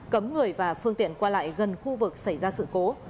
cấm người và phương tiện qua lại gần khu vực xảy ra sự cố